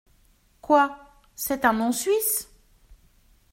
Quoi, c’est un nom suisse !